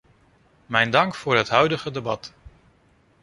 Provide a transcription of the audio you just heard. Mijn dank voor het huidige debat.